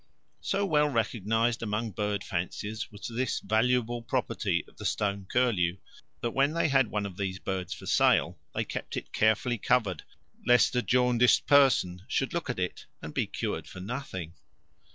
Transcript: So well recognised among birdfanciers was this valuable property of the stone curlew that when they had one of these birds for sale they kept it carefully covered, lest a jaundiced person should look at it and be cured for nothing.